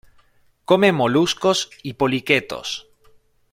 Come moluscos y poliquetos.